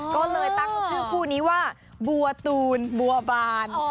ก็เลยตั้งชื่อคู่นี้ว่าบัวตูนบัวบาน